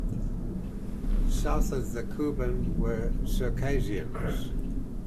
South of the Kuban were Circassians.